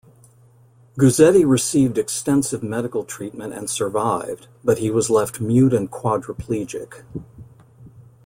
Guzzetti received extensive medical treatment and survived, but he was left mute and quadriplegic.